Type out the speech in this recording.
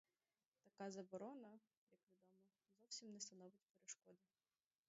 Така заборона, як відомо, зовсім не становить перешкоди.